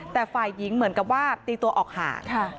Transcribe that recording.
แต่ฝ่ายหญิงเหมือนกับว่าตีตัวออกห่าง